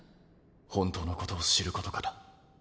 本当のことを知ることから。